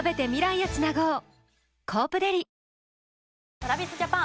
ＴｒａｖｉｓＪａｐａｎ